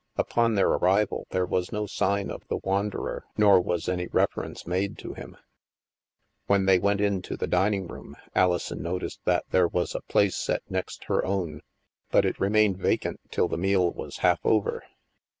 Upon their arrival, there was no sign of the wan derer nor was any reference made to him. When they went in to the dining room, Alison noticed that there was a place set next her own, but it remained vacant till the meal was half over.